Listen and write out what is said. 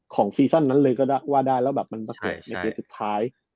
ของซีซั่นนั้นเลยก็ได้แล้วแบบมันประเกิดในเกียรติสุดท้าย